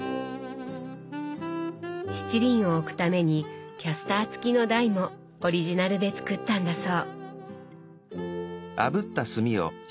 七輪を置くためにキャスター付きの台もオリジナルで作ったんだそう。